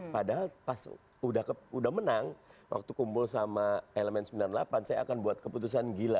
padahal pas udah menang waktu kumpul sama elemen sembilan puluh delapan saya akan buat keputusan gila